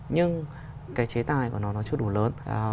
nhưng cái chế tài của nó nó chưa đủ lớn